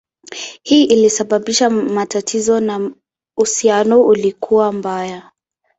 Hii ilisababisha matatizo na uhusiano ulikuwa mbaya.